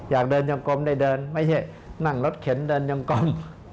อยากเดินยังกลมได้เดินไม่ใช่นั่งรถเข็นเดินยังกลม